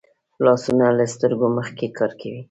لاسونه له سترګو مخکې کار کوي